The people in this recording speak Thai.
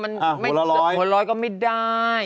เออหัวละ๑๐๐ก็ไม่ได้